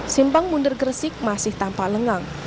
simpang munder gresik masih tampak lengang